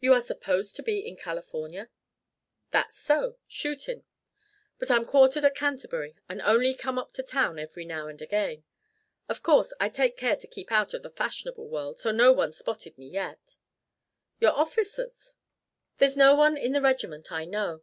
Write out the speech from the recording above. "You are supposed to be in California?" "That's so shootin'. But I'm quartered at Canterbury, and only come up to town every now and again. Of course I take care to keep out of the fashionable world, so no one's spotted me yet." "Your officers!" "There's no one in the regiment I know.